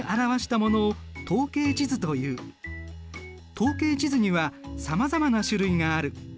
統計地図にはさまざまな種類がある。